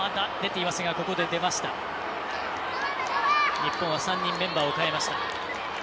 日本は３人メンバーを代えました。